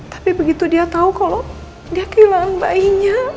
tapi begitu dia tahu kalau dia kehilangan bayinya